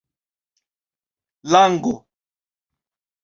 lango